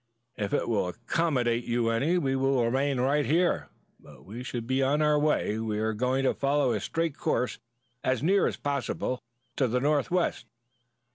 If it will accommodate you any we will remain right here. But we should be on our way. We are going to follow a straight course as near as possible to the northwest.